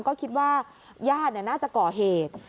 ก็คิดว่าญาติน่าจะก่อเหตุ